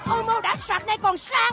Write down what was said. ôi mau đã sạch này còn sang